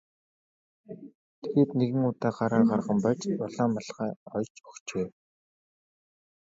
Тэгээд нэгэн удаа гараа гарган байж улаан малгай оёж өгчээ.